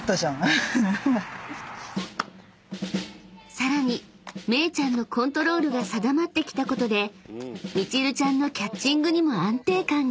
［さらにめいちゃんのコントロールが定まってきたことでみちるちゃんのキャッチングにも安定感が］